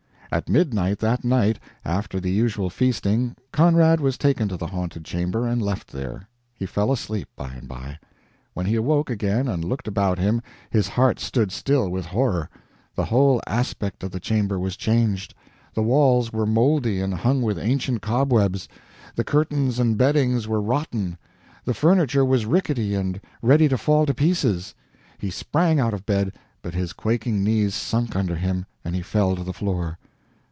At midnight, that night, after the usual feasting, Conrad was taken to the haunted chamber and left there. He fell asleep, by and by. When he awoke again and looked about him, his heart stood still with horror! The whole aspect of the chamber was changed. The walls were moldy and hung with ancient cobwebs; the curtains and beddings were rotten; the furniture was rickety and ready to fall to pieces. He sprang out of bed, but his quaking knees sunk under him and he fell to the floor.